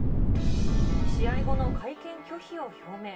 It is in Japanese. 試合後の会見拒否を表明。